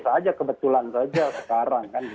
saja kebetulan saja sekarang